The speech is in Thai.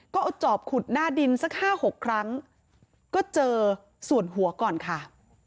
ก็เอาจอบขุดหน้าดินสักห้าหกครั้งก็เจอส่วนหัวก่อนค่ะ